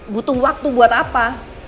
butuh waktu buat apa